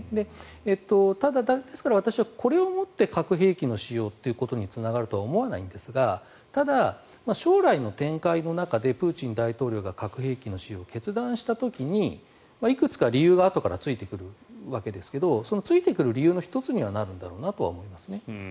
ただ、ですから私はこれをもって核兵器の使用ということにつながるとは思わないんですがただ、将来の展開の中でプーチン大統領が核兵器の使用を決断した時にいくつか理由があとからついてくるわけですがそのついてくる理由の１つにはなるんだろうと思いますね。